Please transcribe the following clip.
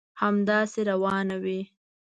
همداسي روانه وي.